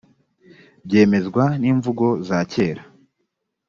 byemezwa n imvugo za kera